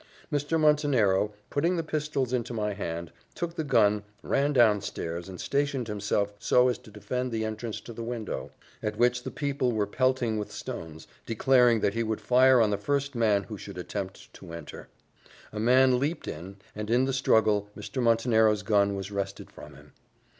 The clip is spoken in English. Mr. Montenero, putting the pistols into my hand, took the gun, ran down stairs, and stationed himself so as to defend the entrance to the window, at which the people were pelting with stones; declaring that he would fire on the first man who should attempt to enter. A man leaped in, and, in the struggle, Mr. Montenero's gun was wrested from him.